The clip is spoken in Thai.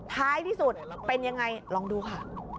ท้ายที่สุดเป็นยังไงลองดูค่ะ